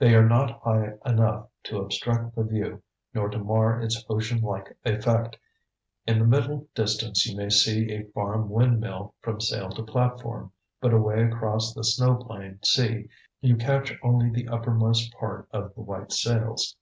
They are not high enough to obstruct the view, nor to mar its ocean like effect. In the middle distance you may see a farm windmill from sail to platform, but away across the snow plain sea you catch only the uppermost part of the white sails.